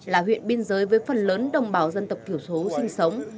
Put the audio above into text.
là huyện biên giới với phần lớn đồng bào dân tộc thiểu số sinh sống